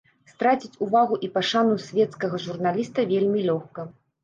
Страціць увагу і пашану свецкага журналіста вельмі лёгка.